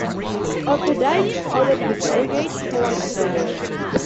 Opdycke ordered his brigade forward to the works.